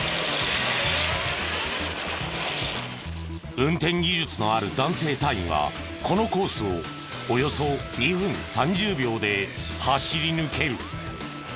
運転技術のある男性隊員はこのコースをおよそ２分３０秒で走り抜ける。